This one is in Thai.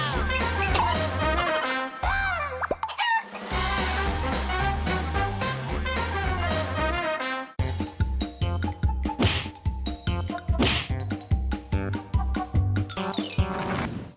อ้าว